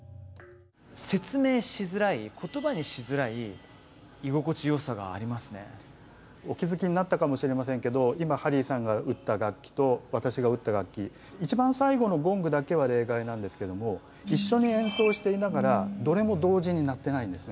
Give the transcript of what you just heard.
説明しづらいお気付きになったかもしれませんけど今ハリーさんが打った楽器と私が打った楽器一番最後のゴングだけは例外なんですけども一緒に演奏していながらどれも同時に鳴ってないんですね。